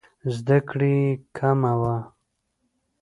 زده کړې یې کمه وه.